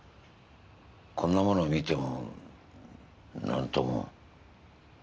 こんなもの見てもなんとも。